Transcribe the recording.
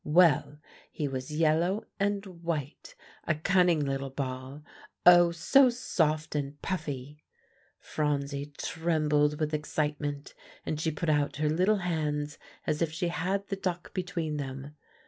Well, he was yellow and white, a cunning little ball, oh, so soft and puffy!" Phronsie trembled with excitement, and she put out her little hands as if she had the duck between them.